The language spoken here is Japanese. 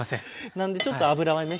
なんでちょっと油はね